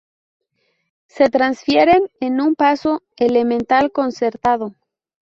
Se transfieren en un paso elemental concertado.